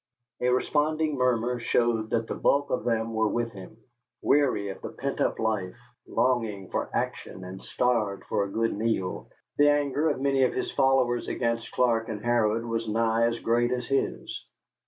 A responding murmur showed that the bulk of them were with him. Weary of the pent up life, longing for action, and starved for a good meal, the anger of his many followers against Clark and Harrod was nigh as great as his.